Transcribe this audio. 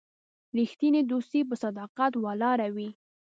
رښتینی دوستي په صداقت ولاړه وي.